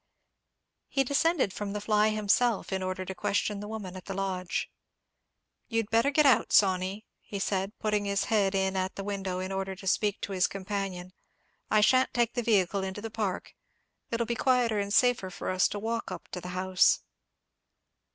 He descended from the fly himself, in order to question the woman at the lodge. "You'd better get out, Sawney," he said, putting his head in at the window, in order to speak to his companion; "I shan't take the vehicle into the park. It'll be quieter and safer for us to walk up to the house."